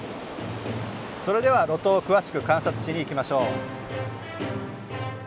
それでは露頭を詳しく観察しに行きましょう。